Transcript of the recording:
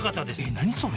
何それ？